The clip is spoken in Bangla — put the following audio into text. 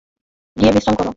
গিয়ে বিশ্রাম করো।